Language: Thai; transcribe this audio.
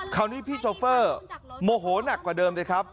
คราวนี้พี่โชเฟอร์โมโหนักกว่าเดิมสิครับ